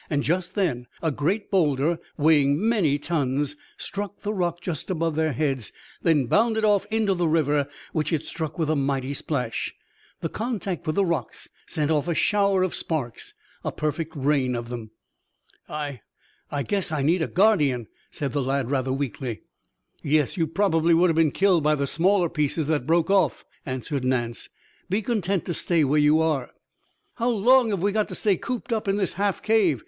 Just then a great boulder, weighing many tons, struck the rock just above their heads, then bounded off into the river, which it struck with a mighty splash. The contact with the rocks sent off a shower of sparks, a perfect rain of them. "I I guess I need a guardian," said the lad rather weakly. "Yes, you probably would have been killed by the smaller pieces that broke off," answered Nance. "Be content to stay where you are." "How long have we got to stay cooped up in this half cave?"